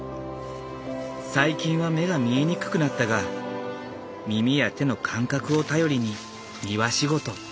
最近は目が見えにくくなったが耳や手の感覚を頼りに庭仕事。